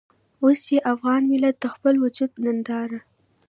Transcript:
اوس چې افغان ملت د خپل وجود ننداره.